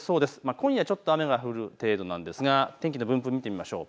今夜ちょっと雨が降る程度なんですが天気の分布を見てみましょう。